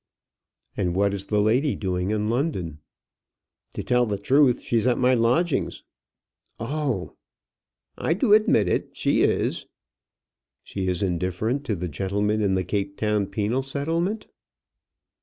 "And what is the lady doing in London?" "To tell the truth, she's at my lodgings." "Oh h!" "I do admit it. She is." "She is indifferent to the gentleman in the Cape Town penal settlement?"